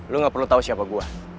lu gak perlu tau siapa gua